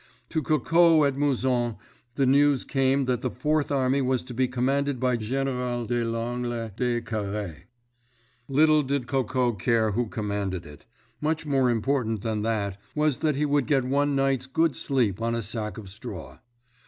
To Coco at Mouzon, the news came that the Fourth Army was to be commanded by General de Langle de Carry. Little did Coco care who commanded it. Much more important than that was that he would get one night's good sleep on a sack of straw.